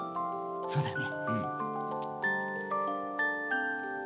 そうだね。